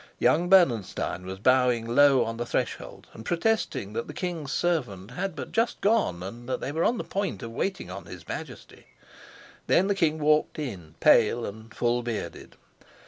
Young Bernenstein was bowing low on the threshold, and protesting that the king's servant had but just gone, and that they were on the point of waiting on his Majesty. Then the king walked in, pale and full bearded.